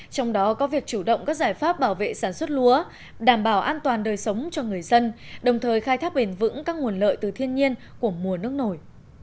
trong đó có việc chủ động các giải pháp bảo vệ sản xuất lúa đảm bảo an toàn đời sống cho người dân đồng thời khai thác bền vững các nguồn lợi từ thiên nhiên của mùa nước nổi